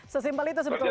sesimpel itu sebetulnya